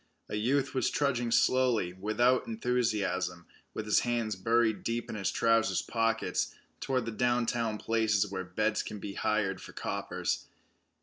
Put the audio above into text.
A youth was trudging slowly, without enthusiasm, with his hands buried deep in his trousers' pockets, toward the downtown places where beds can be hired for coppers.